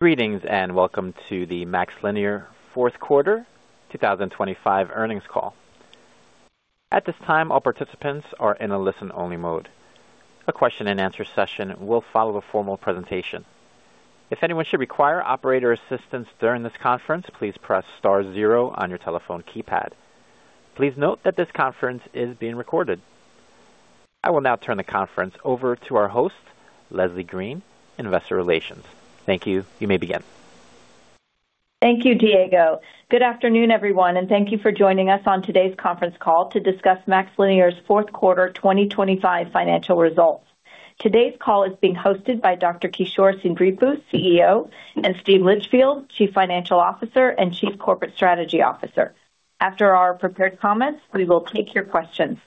Greetings and welcome to the MaxLinear fourth quarter 2025 earnings call. At this time, all participants are in a listen-only mode. A question-and-answer session will follow a formal presentation. If anyone should require operator assistance during this conference, please press star zero on your telephone keypad. Please note that this conference is being recorded. I will now turn the conference over to our host, Leslie Green, Investor Relations. Thank you. You may begin. Thank you, Diego. Good afternoon, everyone, and thank you for joining us on today's conference call to discuss MaxLinear's fourth quarter 2025 financial results. Today's call is being hosted by Dr. Kishore Seendripu, CEO, and Steve Litchfield, Chief Financial Officer and Chief Corporate Strategy Officer. After our prepared comments, we will take your questions.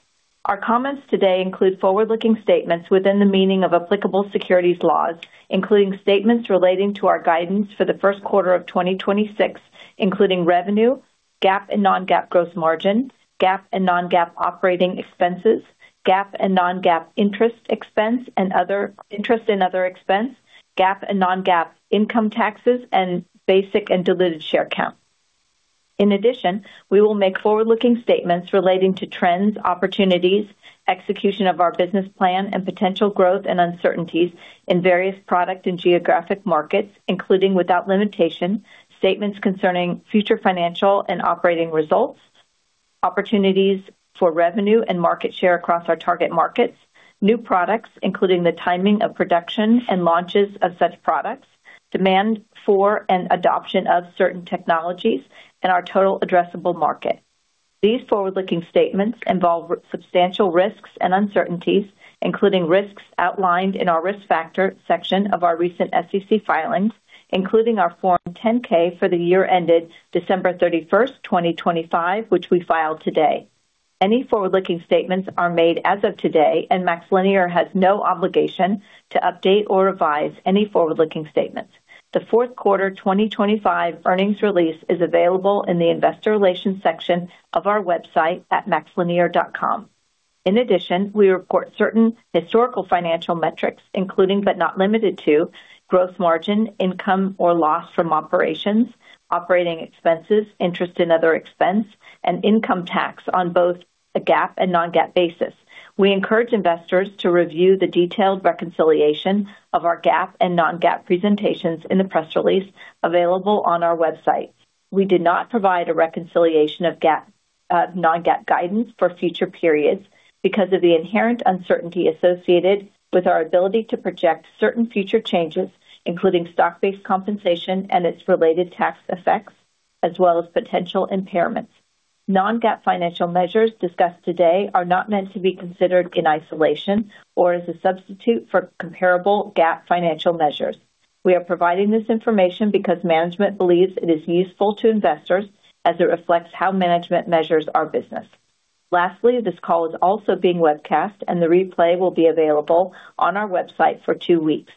Our comments today include forward-looking statements within the meaning of applicable securities laws, including statements relating to our guidance for the first quarter of 2026, including revenue, GAAP and non-GAAP gross margin, GAAP and non-GAAP operating expenses, GAAP and non-GAAP interest expense and other interest and other expense, GAAP and non-GAAP income taxes, and basic and diluted share count. In addition, we will make forward-looking statements relating to trends, opportunities, execution of our business plan, and potential growth and uncertainties in various product and geographic markets, including without limitation, statements concerning future financial and operating results, opportunities for revenue and market share across our target markets, new products, including the timing of production and launches of such products, demand for and adoption of certain technologies, and our total addressable market. These forward-looking statements involve substantial risks and uncertainties, including risks outlined in our risk factor section of our recent SEC filings, including our Form 10-K for the year ended December 31st, 2025, which we filed today. Any forward-looking statements are made as of today, and MaxLinear has no obligation to update or revise any forward-looking statements. The fourth quarter 2025 earnings release is available in the Investor Relations section of our website at maxlinear.com. In addition, we report certain historical financial metrics, including but not limited to gross margin, income or loss from operations, operating expenses, interest and other expense, and income tax on both a GAAP and non-GAAP basis. We encourage investors to review the detailed reconciliation of our GAAP and non-GAAP presentations in the press release available on our website. We did not provide a reconciliation of GAAP non-GAAP guidance for future periods because of the inherent uncertainty associated with our ability to project certain future changes, including stock-based compensation and its related tax effects, as well as potential impairments. Non-GAAP financial measures discussed today are not meant to be considered in isolation or as a substitute for comparable GAAP financial measures. We are providing this information because management believes it is useful to investors as it reflects how management measures our business. Lastly, this call is also being webcast, and the replay will be available on our website for two weeks.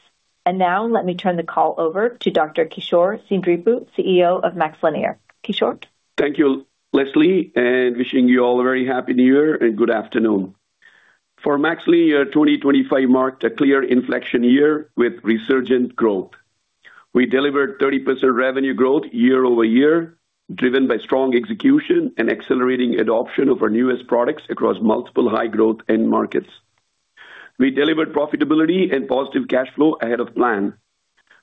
Now, let me turn the call over to Dr. Kishore Seendripu, CEO of MaxLinear. Kishore. Thank you, Leslie, and wishing you all a very happy New Year and good afternoon. For MaxLinear, 2025 marked a clear inflection year with resurgent growth. We delivered 30% revenue growth year over year, driven by strong execution and accelerating adoption of our newest products across multiple high-growth end markets. We delivered profitability and positive cash flow ahead of plan.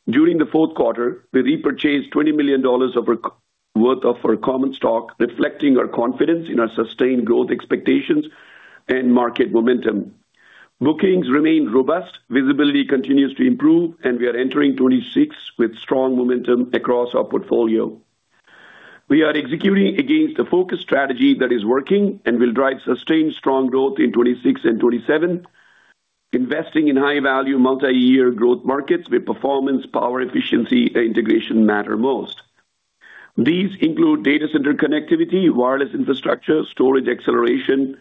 During the fourth quarter, we repurchased $20 million of our worth of our common stock, reflecting our confidence in our sustained growth expectations and market momentum. Bookings remain robust, visibility continues to improve, and we are entering 2026 with strong momentum across our portfolio. We are executing against a focused strategy that is working and will drive sustained strong growth in 2026 and 2027, investing in high-value multi-year growth markets where performance, power, efficiency, and integration matter most. These include data center connectivity, wireless infrastructure, storage acceleration,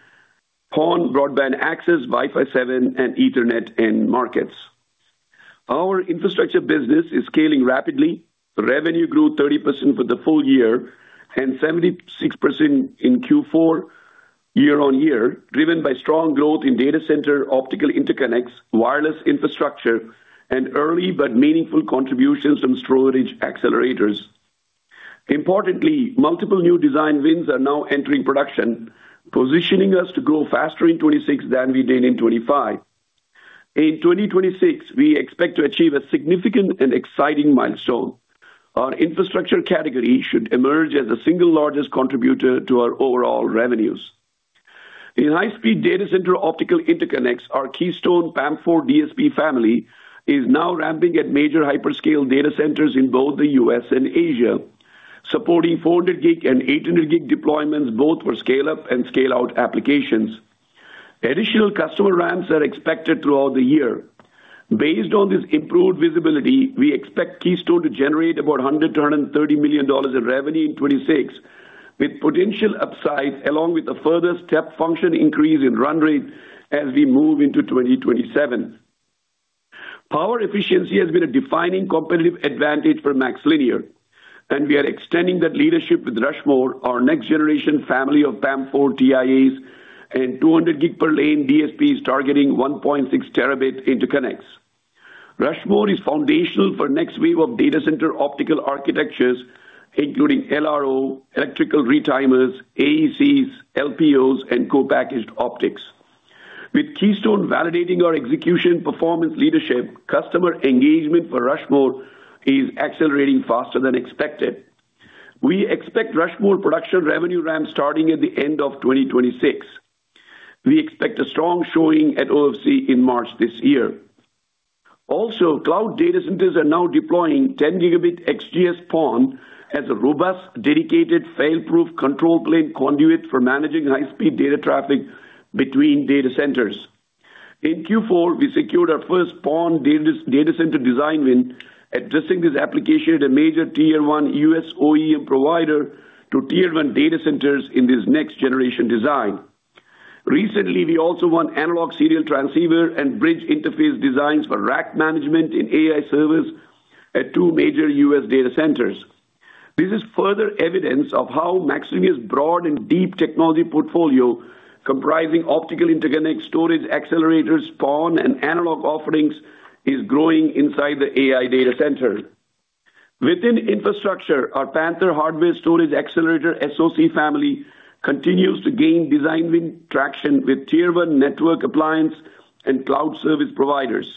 PON, broadband access, Wi-Fi 7, and Ethernet end markets. Our infrastructure business is scaling rapidly. Revenue grew 30% for the full year and 76% in Q4 year-over-year, driven by strong growth in data center optical interconnects, wireless infrastructure, and early but meaningful contributions from storage accelerators. Importantly, multiple new design wins are now entering production, positioning us to grow faster in 2026 than we did in 2025. In 2026, we expect to achieve a significant and exciting milestone. Our infrastructure category should emerge as the single largest contributor to our overall revenues. In high-speed data center optical interconnects, our Keystone PAM4 DSP family is now ramping at major hyperscale data centers in both the U.S. and Asia, supporting 400 Gig and 800 Gig deployments, both for scale-up and scale-out applications. Additional customer ramps are expected throughout the year. Based on this improved visibility, we expect Keystone to generate about $100-$130 million in revenue in 2026, with potential upside along with a further step function increase in run rate as we move into 2027. Power efficiency has been a defining competitive advantage for MaxLinear, and we are extending that leadership with Rushmore, our next generation family of PAM4 TIAs and 200 gig per lane DSPs targeting 1.6 terabit interconnects. Rushmore is foundational for the next wave of data center optical architectures, including LRO, electrical retimers, AECs, LPOs, and co-packaged optics. With Keystone validating our execution performance leadership, customer engagement for Rushmore is accelerating faster than expected. We expect Rushmore production revenue ramp starting at the end of 2026. We expect a strong showing at OFC in March this year. Also, cloud data centers are now deploying 10-gigabit XGS-PON as a robust, dedicated, fail-proof control plane conduit for managing high-speed data traffic between data centers. In Q4, we secured our first PON data center design win, addressing this application at a major tier one U.S. OEM provider to tier one data centers in this next-generation design. Recently, we also won analog serial transceiver and bridge interface designs for rack management in AI service at two major U.S. data centers. This is further evidence of how MaxLinear's broad and deep technology portfolio, comprising optical interconnect, storage accelerators, PON, and analog offerings, is growing inside the AI data center. Within infrastructure, our Panther Hardware Storage Accelerator SoC family continues to gain design win traction with tier one network appliance and cloud service providers.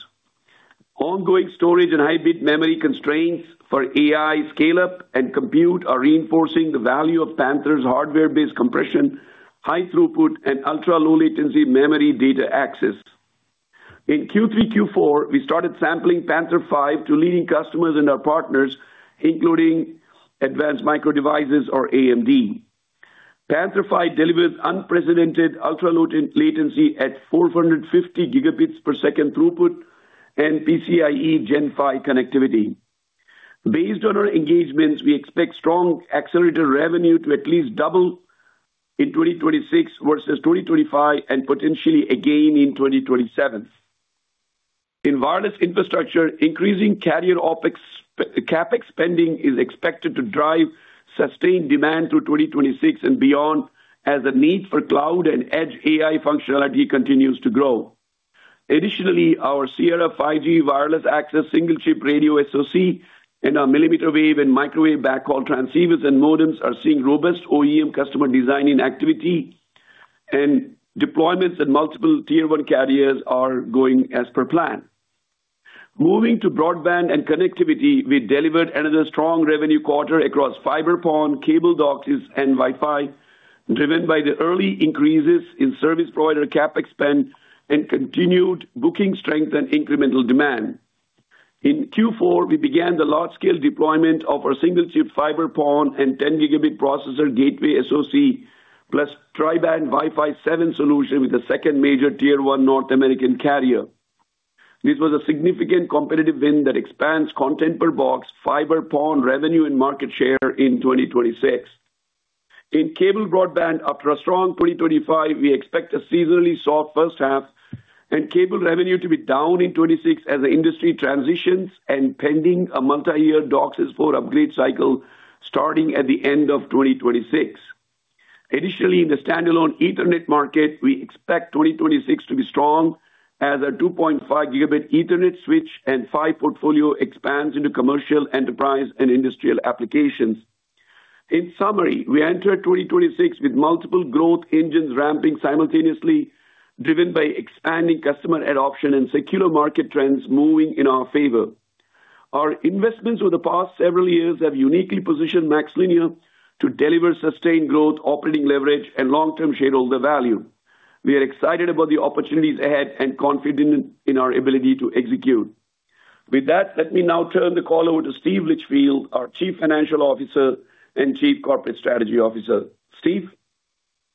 Ongoing storage and high-bit memory constraints for AI scale-up and compute are reinforcing the value of Panther's hardware-based compression, high throughput, and ultra-low-latency memory data access. In Q3, Q4, we started sampling Panther 5 to leading customers and our partners, including Advanced Micro Devices, or AMD. Panther 5 delivers unprecedented ultra-low latency at 450 Gbps throughput and PCIe Gen 5 connectivity. Based on our engagements, we expect strong accelerator revenue to at least double in 2026 versus 2025 and potentially again in 2027. In wireless infrastructure, increasing carrier cap expending is expected to drive sustained demand through 2026 and beyond as the need for cloud and edge AI functionality continues to grow. Additionally, our Sierra 5G wireless access single-chip radio SoC and our millimeter wave and microwave backhaul transceivers and modems are seeing robust OEM customer design-in activity, and deployments at multiple tier-one carriers are going as per plan. Moving to broadband and connectivity, we delivered another strong revenue quarter across fiber PON, cable DOCSIS, and Wi-Fi, driven by the early increases in service provider CapEx and continued booking strength and incremental demand. In Q4, we began the large-scale deployment of our single-chip fiber PON and 10-gigabit processor gateway SoC, plus tri-band Wi-Fi 7 solution with the second major tier-one North American carrier. This was a significant competitive win that expands content per box fiber PON revenue and market share in 2026. In cable broadband, after a strong 2025, we expect a seasonally soft first half and cable revenue to be down in 2026 as the industry transitions and pending a multi-year DOCSIS 4 upgrade cycle starting at the end of 2026. Additionally, in the standalone Ethernet market, we expect 2026 to be strong as a 2.5 gigabit Ethernet switch and PHY portfolio expands into commercial, enterprise, and industrial applications. In summary, we enter 2026 with multiple growth engines ramping simultaneously, driven by expanding customer adoption and secular market trends moving in our favor. Our investments over the past several years have uniquely positioned MaxLinear to deliver sustained growth, operating leverage, and long-term shareholder value. We are excited about the opportunities ahead and confident in our ability to execute. With that, let me now turn the call over to Steve Litchfield, our Chief Financial Officer and Chief Corporate Strategy Officer. Steve.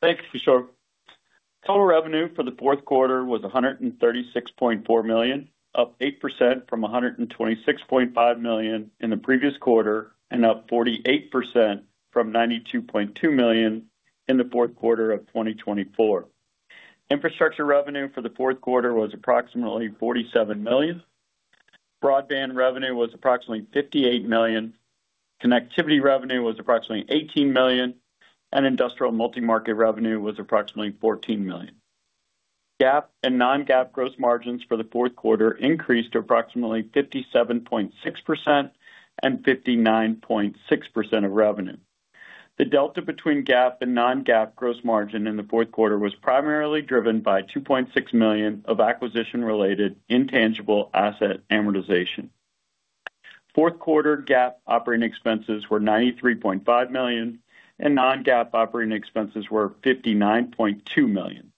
Thank you, Kishore. Total revenue for the fourth quarter was $136.4 million, up 8% from $126.5 million in the previous quarter and up 48% from $92.2 million in the fourth quarter of 2024. Infrastructure revenue for the fourth quarter was approximately $47 million. Broadband revenue was approximately $58 million. Connectivity revenue was approximately $18 million, and industrial multi-market revenue was approximately $14 million. GAAP and non-GAAP gross margins for the fourth quarter increased to approximately 57.6% and 59.6% of revenue. The delta between GAAP and non-GAAP gross margin in the fourth quarter was primarily driven by $2.6 million of acquisition-related intangible asset amortization. Fourth quarter GAAP operating expenses were $93.5 million, and non-GAAP operating expenses were $59.2 million.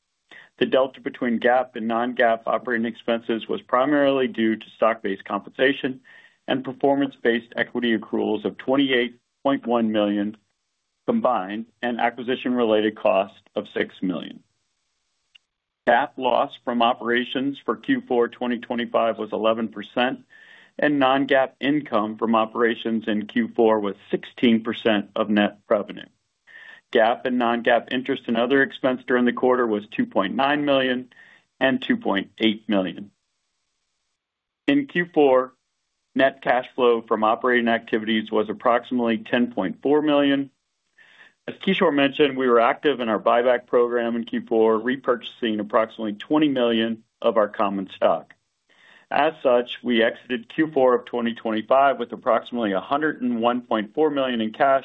The delta between GAAP and non-GAAP operating expenses was primarily due to stock-based compensation and performance-based equity accruals of $28.1 million combined and acquisition-related cost of $6 million. GAAP loss from operations for Q4 2025 was 11%, and non-GAAP income from operations in Q4 was 16% of net revenue. GAAP and non-GAAP interest and other expense during the quarter was $2.9 million and $2.8 million. In Q4, net cash flow from operating activities was approximately $10.4 million. As Kishore mentioned, we were active in our buyback program in Q4, repurchasing approximately $20 million of our common stock. As such, we exited Q4 of 2025 with approximately $101.4 million in cash,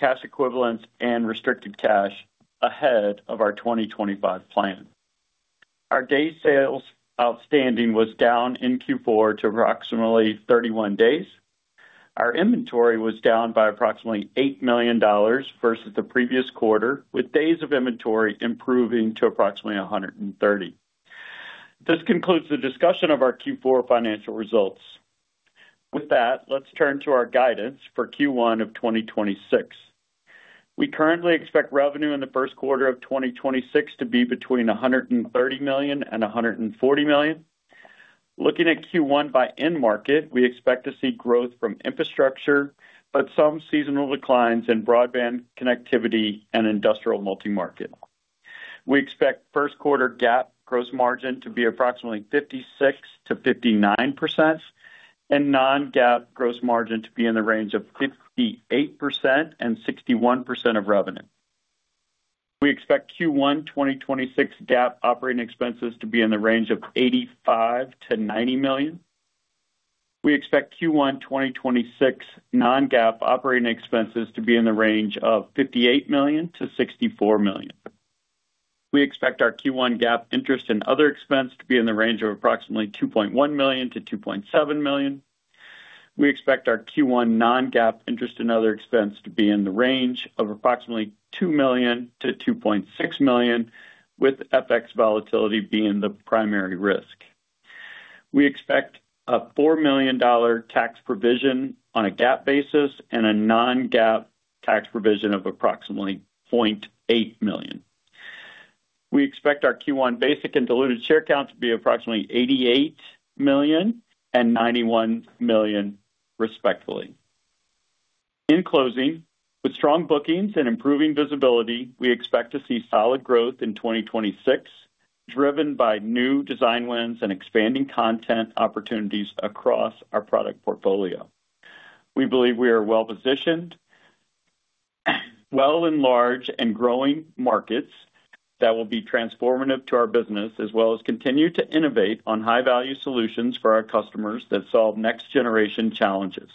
cash equivalents, and restricted cash ahead of our 2025 plan. Our days sales outstanding was down in Q4 to approximately 31 days. Our inventory was down by approximately $8 million versus the previous quarter, with days of inventory improving to approximately 130. This concludes the discussion of our Q4 financial results. With that, let's turn to our guidance for Q1 of 2026. We currently expect revenue in the first quarter of 2026 to be between $130 million and $140 million. Looking at Q1 by end market, we expect to see growth from infrastructure, but some seasonal declines in broadband connectivity and industrial multi-market. We expect first quarter GAAP gross margin to be approximately 56%-59%, and non-GAAP gross margin to be in the range of 58% and 61% of revenue. We expect Q1 2026 GAAP operating expenses to be in the range of $85 million-$90 million. We expect Q1 2026 non-GAAP operating expenses to be in the range of $58 million-$64 million. We expect our Q1 GAAP interest and other expense to be in the range of approximately $2.1 million-$2.7 million. We expect our Q1 non-GAAP interest and other expense to be in the range of approximately $2 million-$2.6 million, with FX volatility being the primary risk. We expect a $4 million tax provision on a GAAP basis and a non-GAAP tax provision of approximately $0.8 million. We expect our Q1 basic and diluted share count to be approximately 88 million and 91 million, respectively. In closing, with strong bookings and improving visibility, we expect to see solid growth in 2026, driven by new design wins and expanding content opportunities across our product portfolio. We believe we are well-positioned in well-entrenched and growing markets that will be transformative to our business, as well as continue to innovate on high-value solutions for our customers that solve next-generation challenges.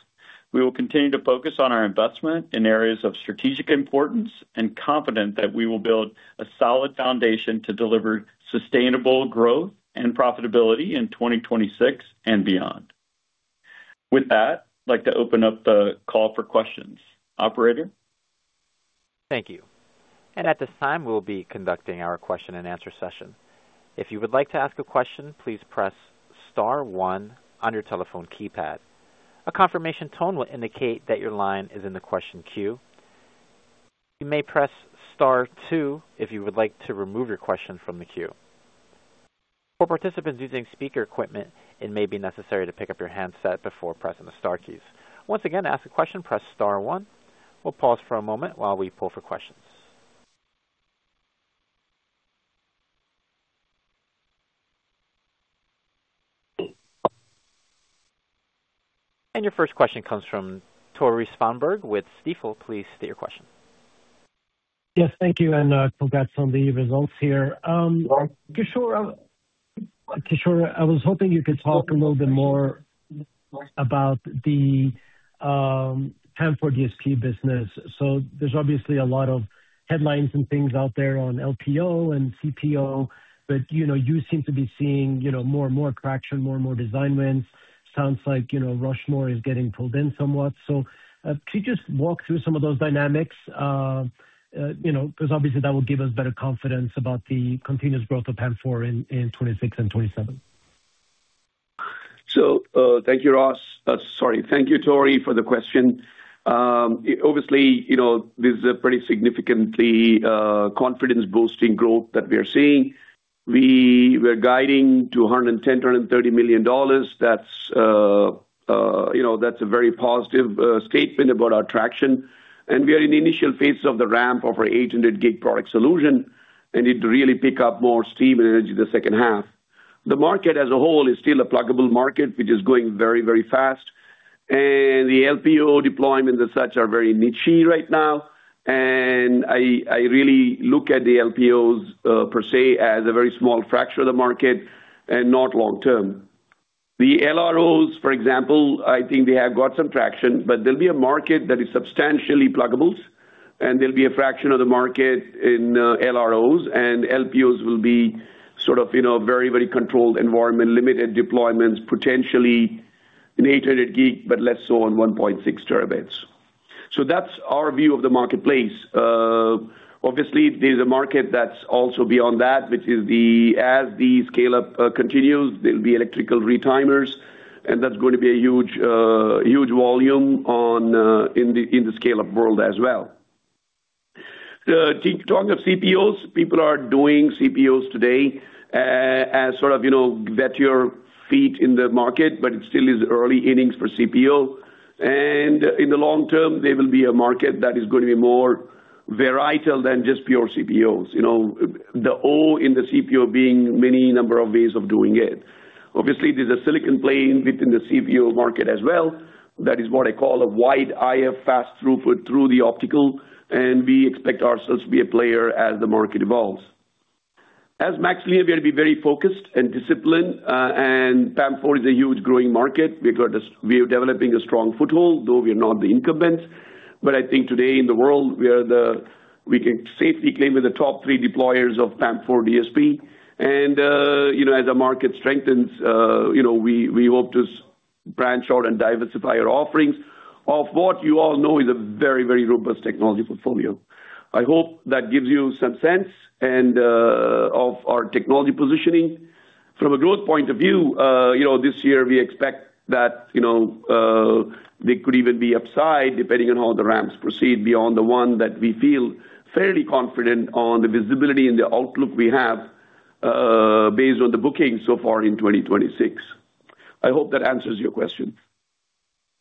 We will continue to focus on our investment in areas of strategic importance and confident that we will build a solid foundation to deliver sustainable growth and profitability in 2026 and beyond. With that, I'd like to open up the call for questions. Operator. Thank you. At this time, we'll be conducting our question-and-answer session. If you would like to ask a question, please press star one on your telephone keypad. A confirmation tone will indicate that your line is in the question queue. You may press star two if you would like to remove your question from the queue. For participants using speaker equipment, it may be necessary to pick up your handset before pressing the star keys. Once again, to ask a question, press star one. We'll pause for a moment while we poll for questions. Your first question comes from Torey Svanberg with Stifel. Please state your question. Yes, thank you. And congrats on the results here. Kishore, I was hoping you could talk a little bit more about the PAM4 DSP business. So there's obviously a lot of headlines and things out there on LPO and CPO, but you seem to be seeing more and more traction, more and more design wins. Sounds like Rushmore is getting pulled in somewhat. So could you just walk through some of those dynamics? Because obviously, that will give us better confidence about the continuous growth of PAM4 in 2026 and 2027. So thank you, Ross. Sorry, thank you, Torey, for the question. Obviously, this is a pretty significantly confidence-boosting growth that we are seeing. We were guiding to $110-$130 million. That's a very positive statement about our traction. And we are in the initial phase of the ramp of our 800-gig product solution, and it really picked up more steam and energy the second half. The market as a whole is still a pluggable market, which is going very, very fast. And the LPO deployment and such are very niche right now. And I really look at the LPOs, per se, as a very small fraction of the market and not long-term. The LROs, for example, I think they have got some traction, but there'll be a market that is substantially pluggable, and there'll be a fraction of the market in LROs, and LPOs will be sort of very, very controlled environment, limited deployments, potentially in 800G, but less so on 1.6T. So that's our view of the marketplace. Obviously, there's a market that's also beyond that, which is the, as the scale-up continues, there'll be electrical retimers, and that's going to be a huge volume in the scale-up world as well. Talking of CPOs, people are doing CPOs today as sort of get your feet in the market, but it still is early innings for CPO. In the long term, there will be a market that is going to be more varietal than just pure CPOs, the O in the CPO being many number of ways of doing it. Obviously, there's a silicon plane within the CPO market as well. That is what I call a wide IF fast throughput through the optical, and we expect ourselves to be a player as the market evolves. As MaxLinear, we have to be very focused and disciplined, and PAM4 is a huge growing market. We are developing a strong foothold, though we are not the incumbents. But I think today in the world, we can safely claim we're the top three deployers of PAM4 DSP. And as the market strengthens, we hope to branch out and diversify our offerings of what you all know is a very, very robust technology portfolio. I hope that gives you some sense of our technology positioning. From a growth point of view, this year, we expect that they could even be upside depending on how the ramps proceed beyond the one that we feel fairly confident on the visibility and the outlook we have based on the bookings so far in 2026. I hope that answers your question.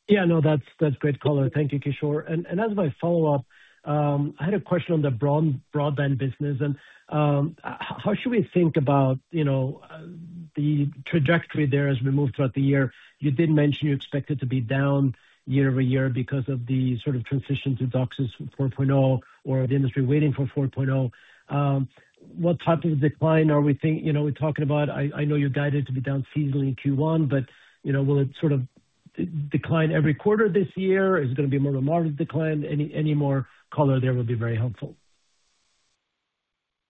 Yeah, no, that's great, color. Thank you, Kishore. As my follow-up, I had a question on the broadband business. How should we think about the trajectory there as we move throughout the year? You did mention you expect it to be down year-over-year because of the sort of transition to DOCSIS 4.0 or the industry waiting for 4.0. What type of decline are we talking about? I know you guided it to be down seasonally in Q1, but will it sort of decline every quarter this year? Is it going to be a more remarkable decline? Any more color there would be very helpful.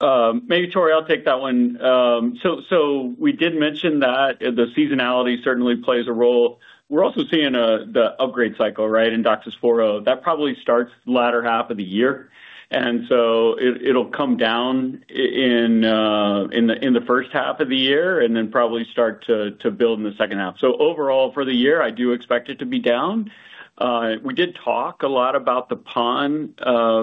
Maybe Torey, I'll take that one. So we did mention that the seasonality certainly plays a role. We're also seeing the upgrade cycle, right, in DOCSIS 4.0. That probably starts the latter half of the year. And so it'll come down in the first half of the year and then probably start to build in the second half. So overall, for the year, I do expect it to be down. We did talk a lot about the PON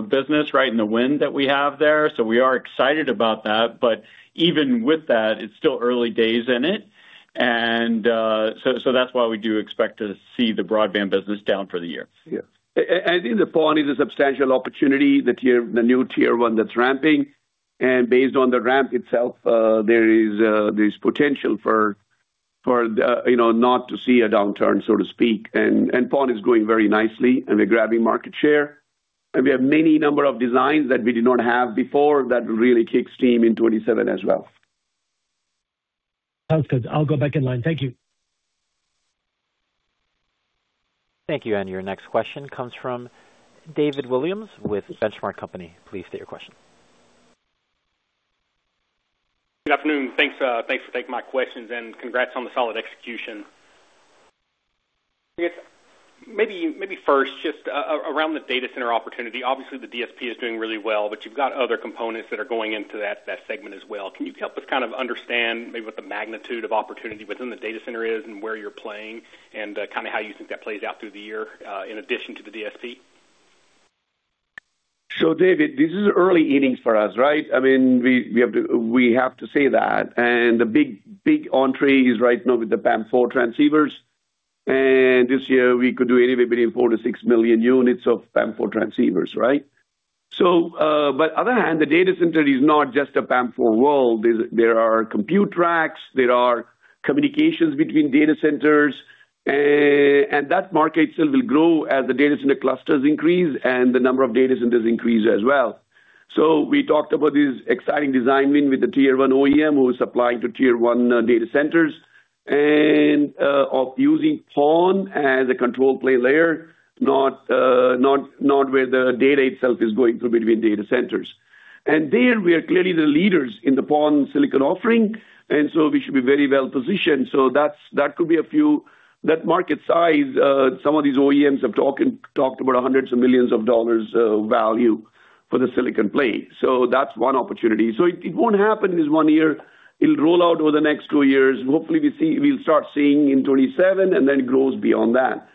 business, right, and the win that we have there. So we are excited about that. But even with that, it's still early days in it. And so that's why we do expect to see the broadband business down for the year. Yeah. I think the PON is a substantial opportunity, the new tier one that's ramping. And based on the ramp itself, there is potential for not to see a downturn, so to speak. And PON is going very nicely, and we're grabbing market share. And we have many number of designs that we did not have before that will really kick steam in 2027 as well. Sounds good. I'll go back in line. Thank you. Thank you. Your next question comes from David Williams with Benchmark Company. Please state your question. Good afternoon. Thanks for taking my questions, and congrats on the solid execution. Maybe first, just around the data center opportunity. Obviously, the DSP is doing really well, but you've got other components that are going into that segment as well. Can you help us kind of understand maybe what the magnitude of opportunity within the data center is and where you're playing and kind of how you think that plays out through the year in addition to the DSP? So David, this is early innings for us, right? I mean, we have to say that. And the big entry is right now with the PAM4 transceivers. And this year, we could do anywhere between 4-6 million units of PAM4 transceivers, right? But on the other hand, the data center is not just a PAM4 world. There are compute racks. There are communications between data centers. And that market still will grow as the data center clusters increase and the number of data centers increase as well. So we talked about this exciting design win with the tier one OEM who is supplying to tier one data centers and of using PON as a control plane layer, not where the data itself is going through between data centers. And there, we are clearly the leaders in the PON silicon offering. And so we should be very well positioned. So that could be a few that market size, some of these OEMs have talked about $hundreds of millions value for the silicon plane. So that's one opportunity. So it won't happen in 1 year. It'll roll out over the next 2 years. Hopefully, we'll start seeing in 2027 and then grows beyond that.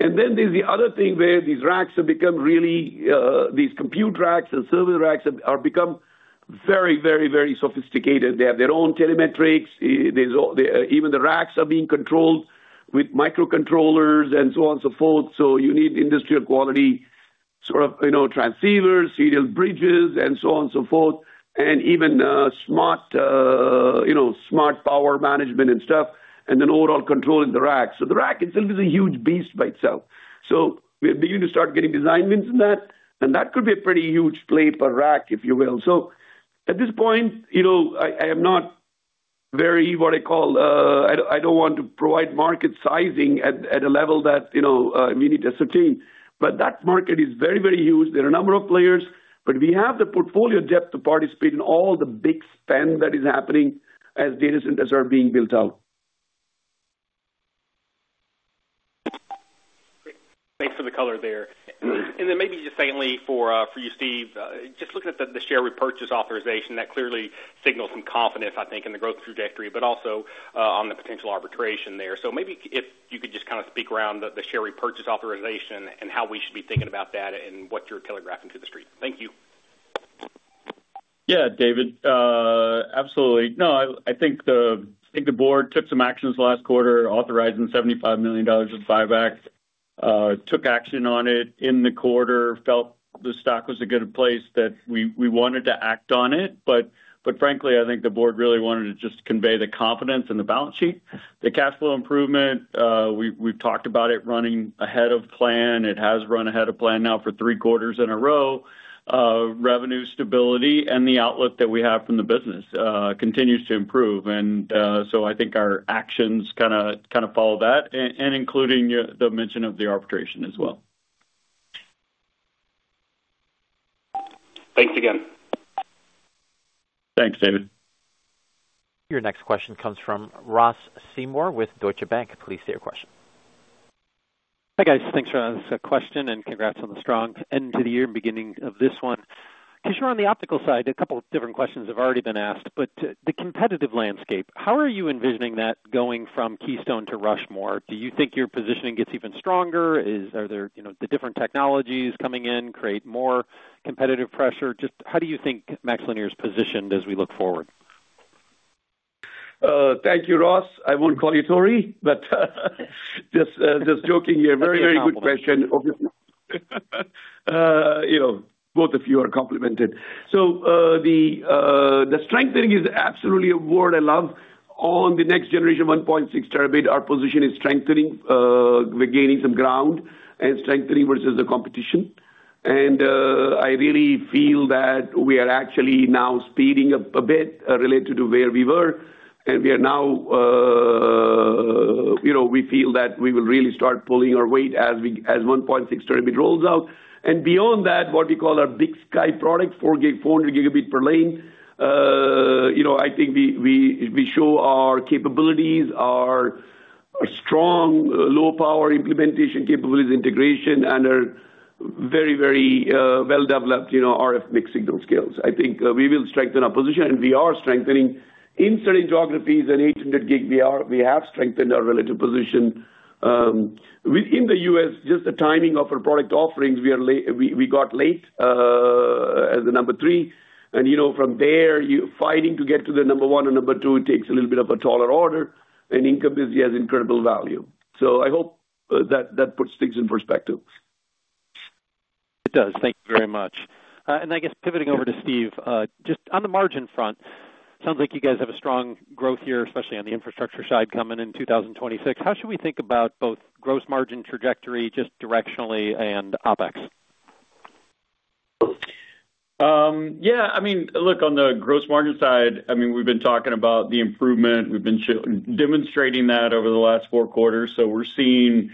And then there's the other thing where these racks have become really these compute racks and server racks have become very, very, very sophisticated. They have their own telemetry. Even the racks are being controlled with microcontrollers and so on and so forth. So you need industrial quality sort of transceivers, serial bridges, and so on and so forth, and even smart power management and stuff, and then overall control in the rack. So the rack itself is a huge beast by itself. So we're beginning to start getting design wins in that. That could be a pretty huge play per rack, if you will. So at this point, I am not very, what I call, I don't want to provide market sizing at a level that we need to ascertain. But that market is very, very huge. There are a number of players, but we have the portfolio depth to participate in all the big spend that is happening as data centers are being built out. Thanks for the color there. And then maybe just secondly for you, Steve, just looking at the share repurchase authorization, that clearly signals some confidence, I think, in the growth trajectory, but also on the potential arbitrage there. So maybe if you could just kind of speak around the share repurchase authorization and how we should be thinking about that and what you're telegraphing to the street. Thank you. Yeah, David. Absolutely. No, I think the board took some action this last quarter, authorizing $75 million of buyback, took action on it in the quarter, felt the stock was a good place that we wanted to act on it. But frankly, I think the board really wanted to just convey the confidence in the balance sheet, the cash flow improvement. We've talked about it running ahead of plan. It has run ahead of plan now for three quarters in a row. Revenue stability and the outlook that we have from the business continues to improve. And so I think our actions kind of follow that, including the mention of the arbitration as well. Thanks again. Thanks, David. Your next question comes from Ross Seymore with Deutsche Bank. Please state your question. Hi guys. Thanks for asking the question, and congrats on the strong end to the year and beginning of this one. Kishore, on the optical side, a couple of different questions have already been asked, but the competitive landscape, how are you envisioning that going from Keystone to Rushmore? Do you think your positioning gets even stronger? Are there the different technologies coming in create more competitive pressure? Just how do you think MaxLinear is positioned as we look forward? Thank you, Ross. I won't call you Tory, but just joking here. Very, very good question. Both of you are complimented. So the strengthening is absolutely a word I love. On the next generation 1.6 terabit, our position is strengthening. We're gaining some ground and strengthening versus the competition. And I really feel that we are actually now speeding up a bit related to where we were. And we are now, we feel that we will really start pulling our weight as 1.6 terabit rolls out. And beyond that, what we call our Big Sky product, 400 gig, 400 gigabit per lane, I think we show our capabilities, our strong low-power implementation capabilities, integration, and our very, very well-developed RF mixed-signal skills. I think we will strengthen our position, and we are strengthening in certain geographies and 800 gig. We have strengthened our relative position. Within the U.S., just the timing of our product offerings, we got late as the number three. From there, fighting to get to the number one and number two takes a little bit of a taller order. Incumbency has incredible value. So I hope that puts things in perspective. It does. Thank you very much. And I guess pivoting over to Steve, just on the margin front, sounds like you guys have a strong growth here, especially on the infrastructure side coming in 2026. How should we think about both gross margin trajectory just directionally and OpEx? Yeah. I mean, look, on the gross margin side, I mean, we've been talking about the improvement. We've been demonstrating that over the last four quarters. So we're seeing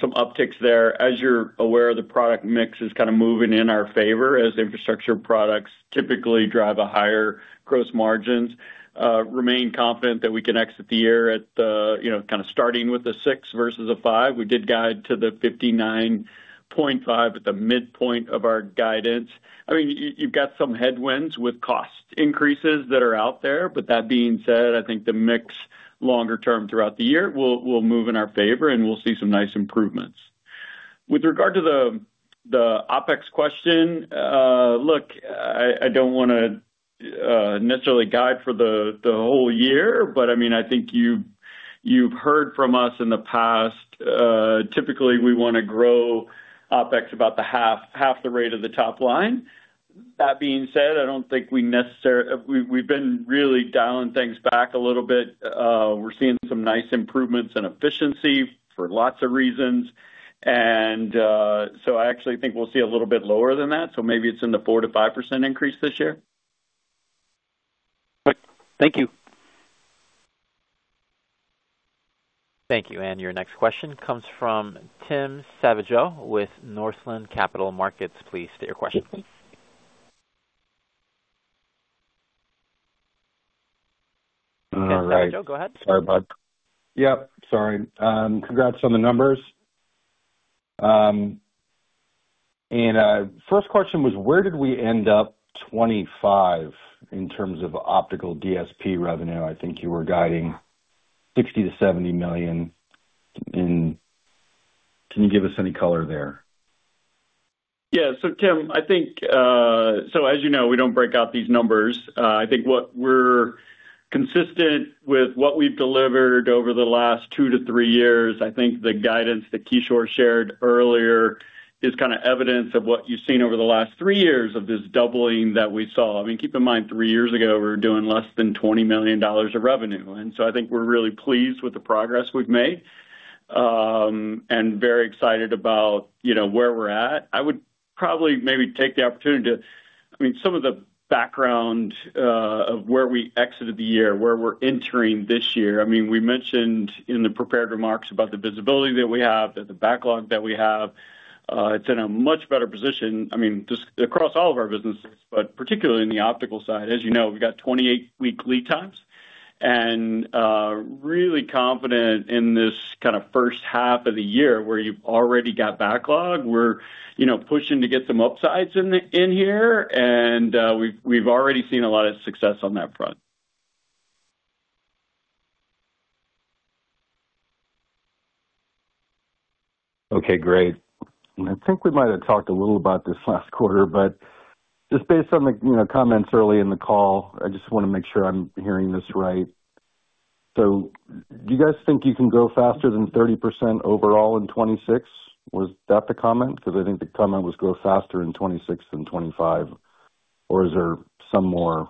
some upticks there. As you're aware, the product mix is kind of moving in our favor as infrastructure products typically drive a higher gross margins. Remain confident that we can exit the year at kind of starting with a six versus a five. We did guide to the 59.5 at the midpoint of our guidance. I mean, you've got some headwinds with cost increases that are out there. But that being said, I think the mix longer term throughout the year will move in our favor, and we'll see some nice improvements. With regard to the OpEx question, look, I don't want to necessarily guide for the whole year, but I mean, I think you've heard from us in the past. Typically, we want to grow OpEx about half the rate of the top line. That being said, I don't think we necessarily we've been really dialing things back a little bit. We're seeing some nice improvements in efficiency for lots of reasons. And so I actually think we'll see a little bit lower than that. So maybe it's in the 4%-5% increase this year. Thank you. Thank you. Your next question comes from Tim Savageaux with Northland Capital Markets. Please state your question. Sorry. Sorry. Sorry. Yep. Sorry. Congrats on the numbers. First question was, where did we end up 2025 in terms of optical DSP revenue? I think you were guiding $60 million-$70 million. Can you give us any color there? Yeah. So Tim, I think so as you know, we don't break out these numbers. I think what we're consistent with what we've delivered over the last two to three years. I think the guidance that Kishore shared earlier is kind of evidence of what you've seen over the last three years of this doubling that we saw. I mean, keep in mind, three years ago, we were doing less than $20 million of revenue. And so I think we're really pleased with the progress we've made and very excited about where we're at. I would probably maybe take the opportunity to, I mean, some of the background of where we exited the year, where we're entering this year. I mean, we mentioned in the prepared remarks about the visibility that we have, the backlog that we have. It's in a much better position, I mean, just across all of our businesses, but particularly in the optical side. As you know, we've got 28-week lead times and really confident in this kind of first half of the year where you've already got backlog. We're pushing to get some upsides in here. We've already seen a lot of success on that front. Okay. Great. I think we might have talked a little about this last quarter, but just based on the comments early in the call, I just want to make sure I'm hearing this right. So do you guys think you can go faster than 30% overall in 2026? Was that the comment? Because I think the comment was go faster in 2026 than 2025. Or is there some more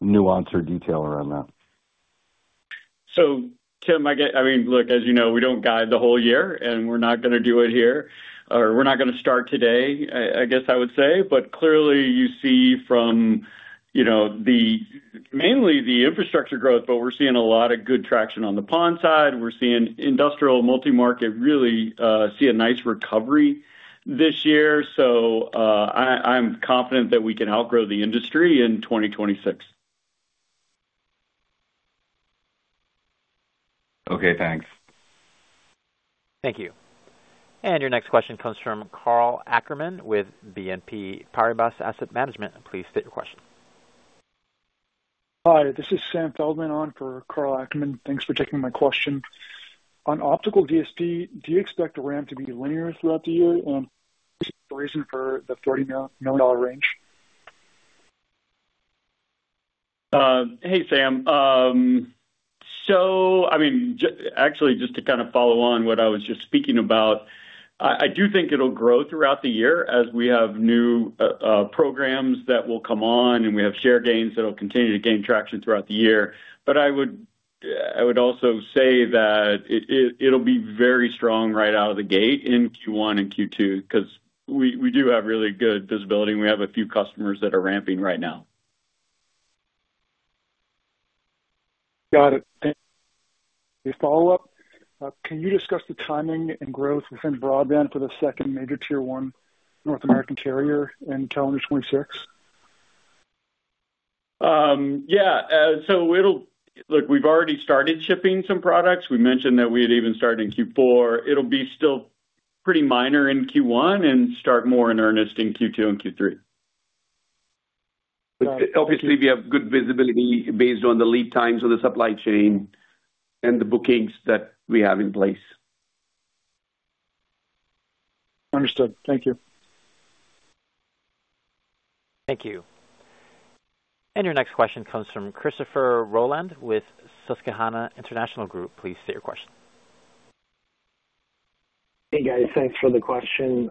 nuance or detail around that? So, Tim, I mean, look, as you know, we don't guide the whole year, and we're not going to do it here. Or we're not going to start today, I guess I would say. But clearly, you see from mainly the infrastructure growth, but we're seeing a lot of good traction on the PON side. We're seeing industrial multi-market really see a nice recovery this year. So I'm confident that we can outgrow the industry in 2026. Okay. Thanks. Thank you. And your next question comes from Karl Ackerman with BNP Paribas Asset Management. Please state your question. Hi. This is Samuel Feldman on for Karl Ackerman. Thanks for taking my question. On optical DSP, do you expect the ramp to be linear throughout the year? And is the reason for the $30 million range? Hey, Sam. So I mean, actually, just to kind of follow on what I was just speaking about, I do think it'll grow throughout the year as we have new programs that will come on, and we have share gains that will continue to gain traction throughout the year. But I would also say that it'll be very strong right out of the gate in Q1 and Q2 because we do have really good visibility, and we have a few customers that are ramping right now. Got it. Any follow-up? Can you discuss the timing and growth within broadband for the second major tier one North American carrier in calendar 2026? Yeah. So look, we've already started shipping some products. We mentioned that we had even started in Q4. It'll be still pretty minor in Q1 and start more in earnest in Q2 and Q3. Obviously, we have good visibility based on the lead times of the supply chain and the bookings that we have in place. Understood. Thank you. Thank you. Your next question comes from Christopher Rolland with Susquehanna International Group. Please state your question. Hey, guys. Thanks for the question.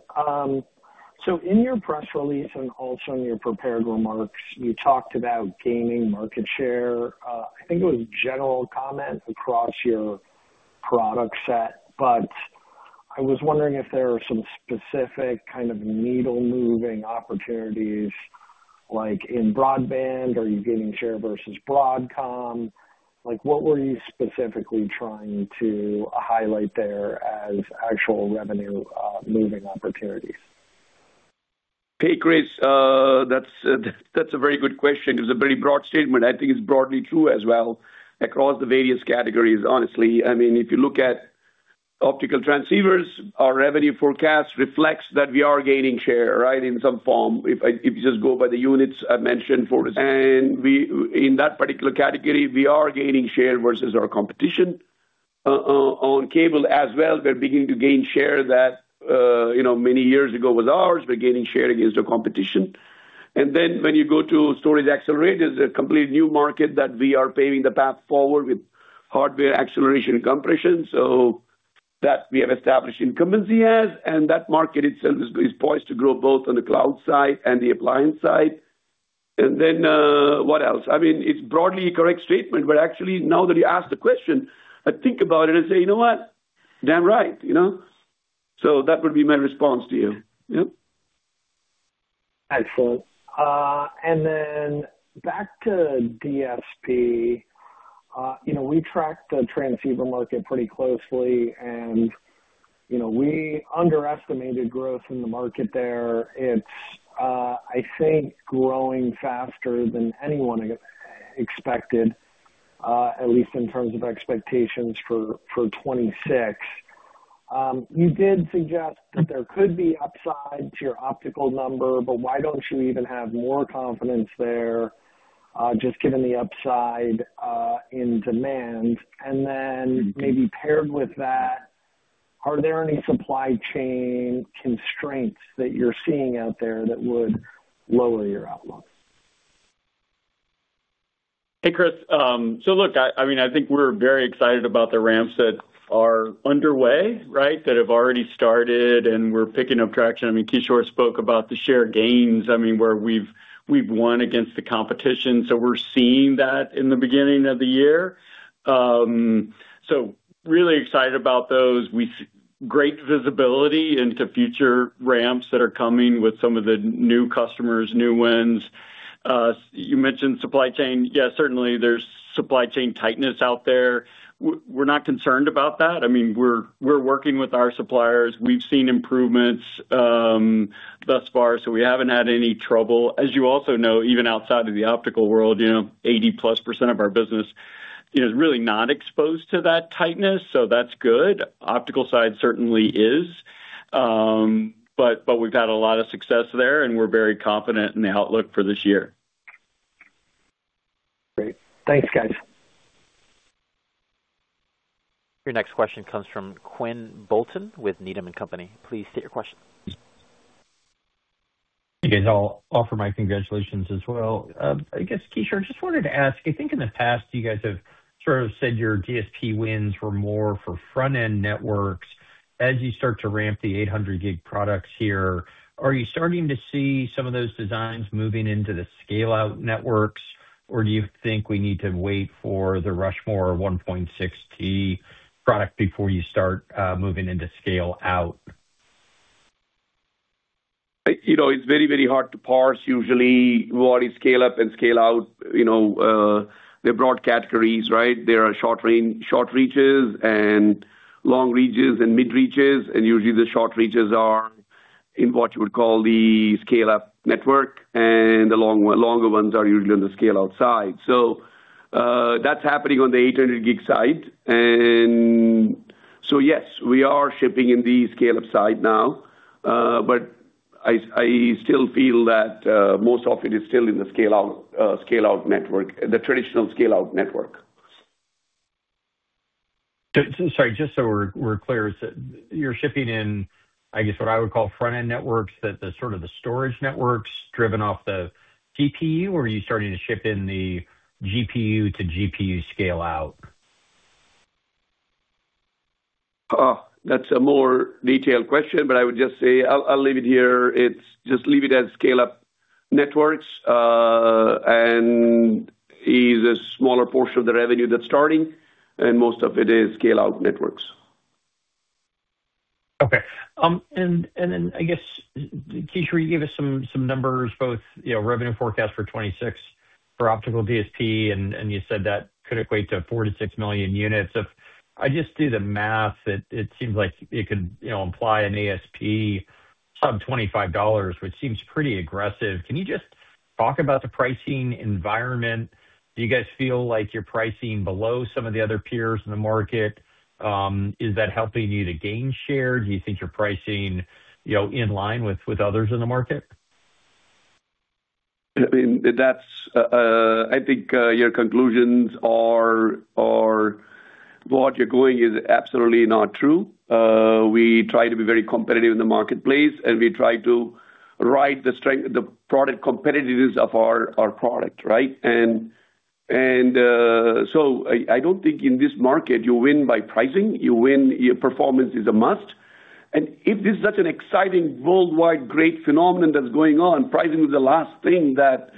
So in your press release and also in your prepared remarks, you talked about gaining market share. I think it was general comment across your product set. But I was wondering if there are some specific kind of needle-moving opportunities like in broadband, are you getting share versus Broadcom? What were you specifically trying to highlight there as actual revenue-moving opportunities? Okay. Great. That's a very good question. It's a very broad statement. I think it's broadly true as well across the various categories, honestly. I mean, if you look at optical transceivers, our revenue forecast reflects that we are gaining share, right, in some form. If you just go by the units I mentioned for. And in that particular category, we are gaining share versus our competition. On cable as well, we're beginning to gain share that many years ago was ours. We're gaining share against our competition. And then when you go to storage accelerators, a completely new market that we are paving the path forward with hardware acceleration and compression so that we have established incumbency as and that market itself is poised to grow both on the cloud side and the appliance side. And then what else? I mean, it's broadly a correct statement, but actually, now that you asked the question, I think about it and say, "You know what? Damn right." So that would be my response to you. Yeah. Excellent. And then back to DSP, we track the transceiver market pretty closely, and we underestimated growth in the market there. It's, I think, growing faster than anyone expected, at least in terms of expectations for 2026. You did suggest that there could be upside to your optical number, but why don't you even have more confidence there just given the upside in demand? And then maybe paired with that, are there any supply chain constraints that you're seeing out there that would lower your outlook? Hey, Christopher. So look, I mean, I think we're very excited about the ramps that are underway, right, that have already started, and we're picking up traction. I mean, Kishore spoke about the share gains, I mean, where we've won against the competition. So we're seeing that in the beginning of the year. So really excited about those. Great visibility into future ramps that are coming with some of the new customers, new wins. You mentioned supply chain. Yeah, certainly, there's supply chain tightness out there. We're not concerned about that. I mean, we're working with our suppliers. We've seen improvements thus far, so we haven't had any trouble. As you also know, even outside of the optical world, 80%+ of our business is really not exposed to that tightness. So that's good. Optical side certainly is. We've had a lot of success there, and we're very confident in the outlook for this year. Great. Thanks, guys. Your next question comes from Quinn Bolton with Needham & Company. Please state your question. Hey, guys. I'll offer my congratulations as well. I guess, Kishore, just wanted to ask, I think in the past, you guys have sort of said your DSP wins were more for front-end networks. As you start to ramp the 800G products here, are you starting to see some of those designs moving into the scale-out networks, or do you think we need to wait for the Rushmore 1.6T product before you start moving into scale-out? It's very, very hard to parse, usually, what is scale-up and scale-out. They're broad categories, right? There are short reaches and long reaches and mid-reaches. Usually, the short reaches are in what you would call the scale-up network, and the longer ones are usually on the scale-out side. That's happening on the 800G side. Yes, we are shipping in the scale-up side now, but I still feel that most of it is still in the scale-out network, the traditional scale-out network. Sorry. Just so we're clear, you're shipping in, I guess, what I would call front-end networks, sort of the storage networks driven off the TPU, or are you starting to ship in the GPU-to-GPU scale-out? That's a more detailed question, but I would just say I'll leave it here. Just leave it as scale-up networks, and it's a smaller portion of the revenue that's starting, and most of it is scale-out networks. Okay. And then I guess, Kishore, you gave us some numbers, both revenue forecast for 2026 for optical DSP, and you said that could equate to 4-6 million units. If I just do the math, it seems like it could imply an ASP sub-$25, which seems pretty aggressive. Can you just talk about the pricing environment? Do you guys feel like you're pricing below some of the other peers in the market? Is that helping you to gain share? Do you think you're pricing in line with others in the market? I mean, I think your conclusions are what you're going is absolutely not true. We try to be very competitive in the marketplace, and we try to ride the product competitiveness of our product, right? And so I don't think in this market you win by pricing. You win. Performance is a must. And if this is such an exciting worldwide great phenomenon that's going on, pricing is the last thing that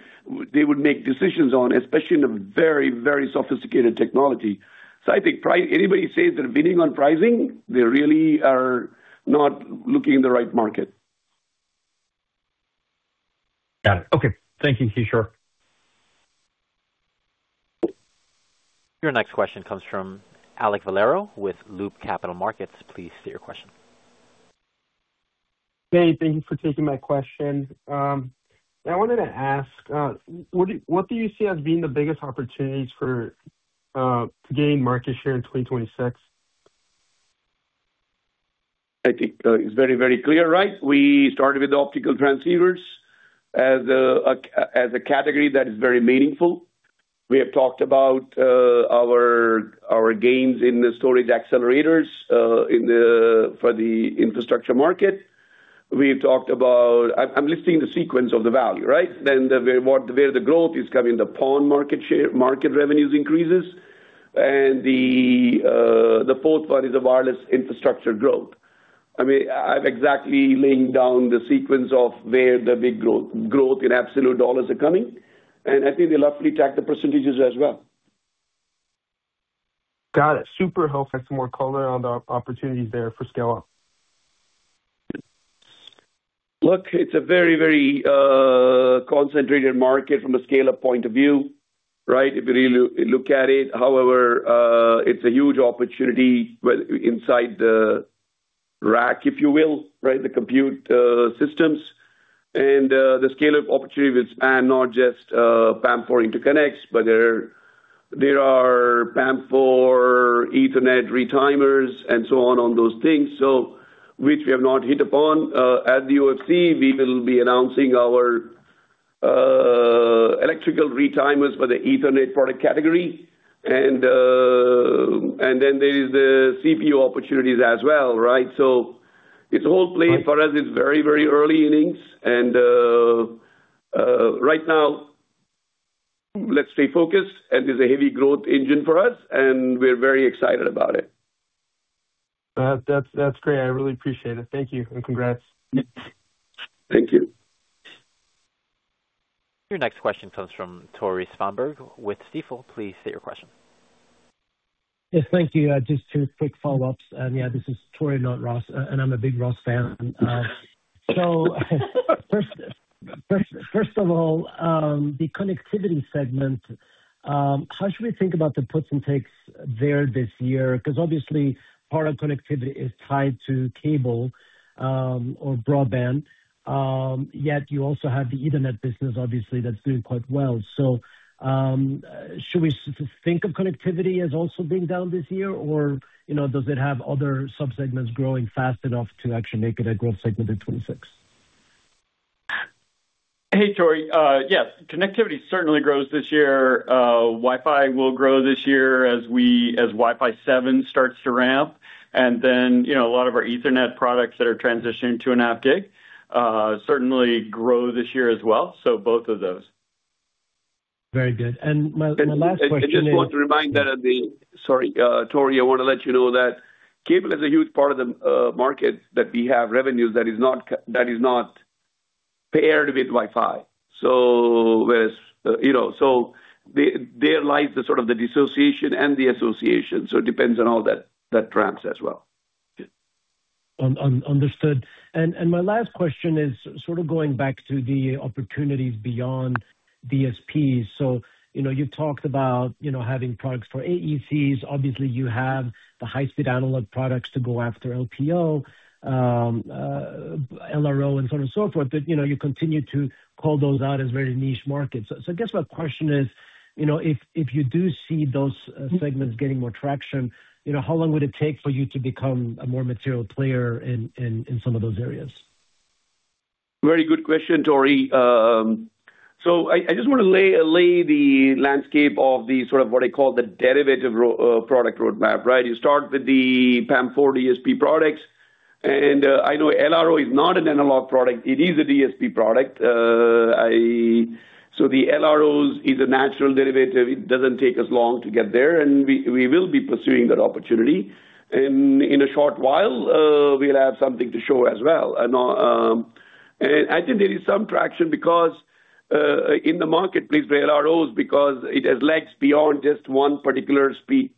they would make decisions on, especially in a very, very sophisticated technology. So I think anybody says they're winning on pricing, they really are not looking in the right market. Got it. Okay. Thank you, Kishore. Your next question comes from Alec Valero with Loop Capital Markets. Please state your question. Hey, thank you for taking my question. I wanted to ask, what do you see as being the biggest opportunities to gain market share in 2026? I think it's very, very clear, right? We started with the optical transceivers as a category that is very meaningful. We have talked about our gains in the storage accelerators for the infrastructure market. We've talked about (I'm listing the sequence of the value, right?) Then where the growth is coming, the PON market revenues increases. And the fourth one is the wireless infrastructure growth. I mean, I've exactly laid down the sequence of where the big growth in absolute dollars is coming. And I think they'll have to retract the percentages as well. Got it. Super helpful. I have some more color on the opportunities there for scale-up. Look, it's a very, very concentrated market from a scale-up point of view, right? If you really look at it. However, it's a huge opportunity inside the rack, if you will, right, the compute systems. And the scale-up opportunity will span not just PAM4 interconnects, but there are PAM4 Ethernet retimers and so on on those things, which we have not hit upon. At the OFC, we will be announcing our electrical retimers for the Ethernet product category. And then there is the CPU opportunities as well, right? So it's a whole play for us. It's very, very early innings. And right now, let's stay focused, and it's a heavy growth engine for us, and we're very excited about it. That's great. I really appreciate it. Thank you and congrats. Thank you. Your next question comes from Torey Svanberg with Stifel. Please state your question. Yes, thank you. Just two quick follow-ups. And yeah, this is Torey, not Ross, and I'm a big Ross fan. So first of all, the connectivity segment, how should we think about the puts and takes there this year? Because obviously, part of connectivity is tied to cable or broadband, yet you also have the Ethernet business, obviously, that's doing quite well. So should we think of connectivity as also being down this year, or does it have other subsegments growing fast enough to actually make it a growth segment in 2026? Hey, Torey. Yes, connectivity certainly grows this year. Wi-Fi will grow this year as Wi-Fi 7 starts to ramp. And then a lot of our Ethernet products that are transitioning to an 800 gig certainly grow this year as well. So both of those. Very good. My last question is. I just want to remind that of the - sorry, Torey, I want to let you know that cable is a huge part of the market that we have revenues that is not paired with Wi-Fi. So there lies sort of the dissociation and the association. So it depends on all that ramps as well. Understood. My last question is sort of going back to the opportunities beyond DSPs. You've talked about having products for AECs. Obviously, you have the high-speed analog products to go after LPO, LRO, and so on and so forth, but you continue to call those out as very niche markets. I guess my question is, if you do see those segments getting more traction, how long would it take for you to become a more material player in some of those areas? Very good question, Torey. So I just want to lay the landscape of the sort of what I call the derivative product roadmap, right? You start with the PAM4 DSP products. And I know LRO is not an analog product. It is a DSP product. So the LROs is a natural derivative. It doesn't take us long to get there, and we will be pursuing that opportunity. And in a short while, we'll have something to show as well. And I think there is some traction because in the marketplace for LROs, because it has legs beyond just one particular speed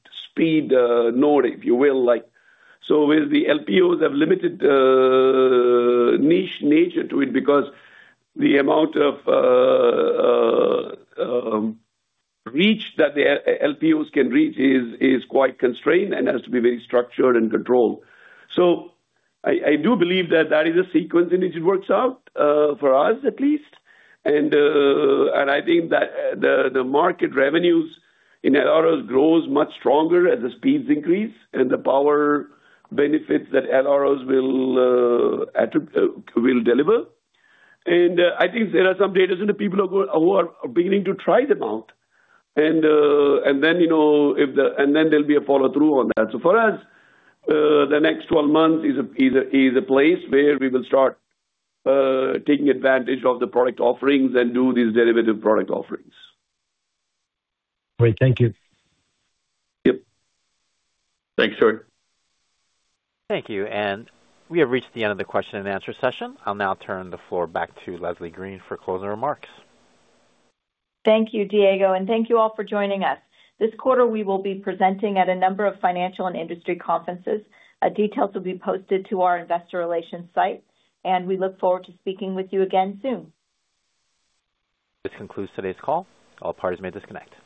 node, if you will. So the LPOs have limited niche nature to it because the amount of reach that the LPOs can reach is quite constrained and has to be very structured and controlled. So I do believe that that is a sequence in which it works out for us, at least. And I think that the market revenues in LROs grow much stronger as the speeds increase and the power benefits that LROs will deliver. And I think there are some data center people who are beginning to try them out. And then there'll be a follow-through on that. So for us, the next 12 months is a place where we will start taking advantage of the product offerings and do these derivative product offerings. Great. Thank you. Yep. Thanks, Torey. Thank you. We have reached the end of the question and answer session. I'll now turn the floor back to Leslie Green for closing remarks. Thank you, Diego, and thank you all for joining us. This quarter, we will be presenting at a number of financial and industry conferences. Details will be posted to our investor relations site, and we look forward to speaking with you again soon. This concludes today's call. All parties may disconnect.